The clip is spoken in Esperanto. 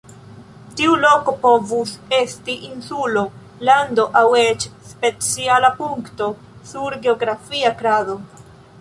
Tiu loko povus esti insulo, lando aŭ eĉ speciala punkto sur geografia krado.